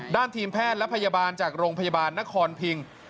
ทีมแพทย์และพยาบาลจากโรงพยาบาลนครพิง